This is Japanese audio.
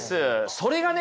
それがね